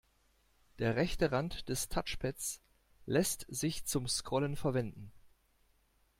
Der rechte Rand des Touchpads lässt sich zum Scrollen verwenden.